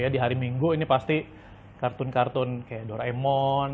di hari minggu ini pasti kartun kartun kayak doraemon